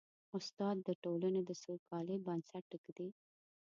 استاد د ټولنې د سوکالۍ بنسټ ږدي.